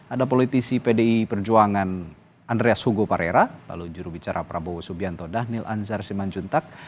ada politisi pdi perjuangan andreas hugo parera lalu jurubicara prabowo subianto dhanil anzar simanjuntak